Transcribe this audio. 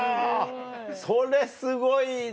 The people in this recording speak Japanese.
それすごいな。